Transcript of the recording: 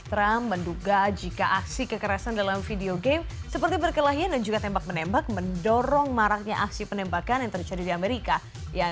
trump menduga jika aksi kekerasan dalam video game seperti berkelahian dan juga tembak menembak mendorong maraknya aksi penembakan yang terjadi di amerika